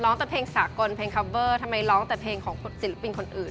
แต่เพลงสากลเพลงคาวเวอร์ทำไมร้องแต่เพลงของศิลปินคนอื่น